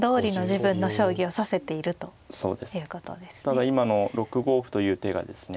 ただ今の６五歩という手がですね